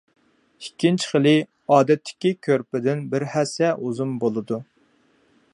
ئىككىنچى خىلى ئادەتتىكى كۆرپىدىن بىر ھەسسە ئۇزۇن بولىدۇ.